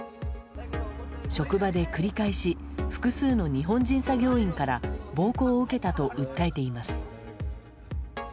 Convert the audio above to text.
職場で繰り返し複数の日本人作業員から暴行を受けたと訴えています。